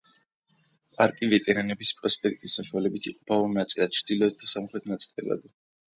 პარკი ვეტერანების პროსპექტის საშუალებით იყოფა ორ ნაწილად ჩრდილოეთ და სამხრეთ ნაწილებად.